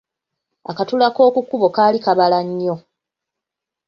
Akatula k’oku kkubo kaali kaabala nnyo.